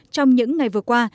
trong những ngày vừa qua